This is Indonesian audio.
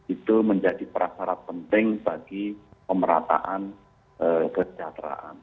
itu menjadi prasarat penting bagi pemerataan kesejahteraan